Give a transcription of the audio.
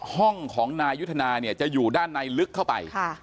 ห้องของนายยุทธนาเนี่ยจะอยู่ด้านในลึกเข้าไป